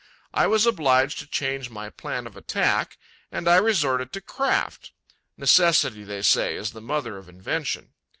I was obliged to change my plan of attack and I resorted to craft. Necessity, they say, is the mother of invention.